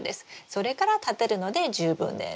それから立てるので十分です。